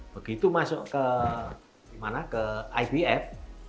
begitu masuk ke ibf